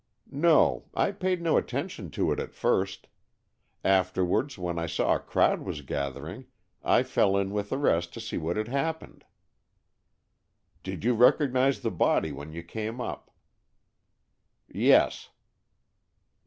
"No, I paid no attention to it at first. Afterwards, when I saw a crowd was gathering, I fell in with the rest to see what had happened." "Did you recognize the body when you came up?" "Yes."